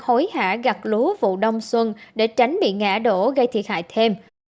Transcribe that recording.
hối hả gạt lúa vụ đông xuân để tránh bị ngã đổ gây thiệt hại thêm